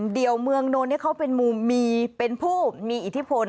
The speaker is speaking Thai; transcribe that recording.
เดียวเมืองนนท์เขาเป็นมุมมีเป็นผู้มีอิทธิพล